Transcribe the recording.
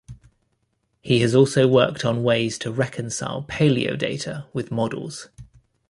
He has also worked on ways to reconcile paleo-data with models.